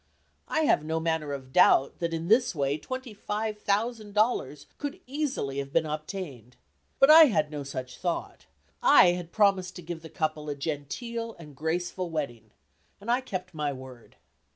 I have no manner of doubt that in this way twenty five thousand dollars could easily have been obtained. But I had no such thought. I had promised to give the couple a genteel and graceful wedding, and I kept my word.